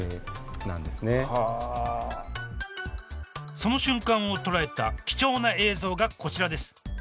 その瞬間を捉えた貴重な映像がこちらです。